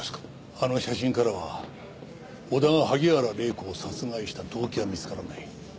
あの写真からは小田が萩原礼子を殺害した動機は見つからない。